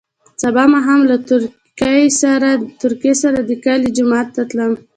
سبا ماښام له تورکي سره د کلي جومات ته تلم.